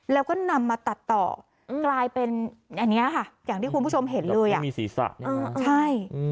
แล้วก็นำมาตัดต่อกลายเป็นอันนี้ค่ะอย่างที่คุณผู้ชมเห็นเลย